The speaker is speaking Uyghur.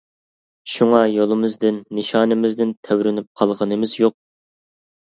شۇڭا يولىمىزدىن، نىشانىمىزدىن تەۋرىنىپ قالغىنىمىز يوق.